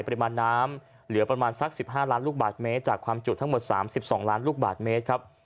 ปริมาณน้ำเหลือประมาณสัก๑๕ล้านลูกบาทเมตรจากความจุทั้งหมด๓๒ล้านลูกบาทเมตรครับ